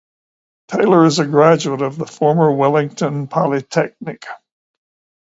Taylor is a graduate of the former Wellington Polytechnic.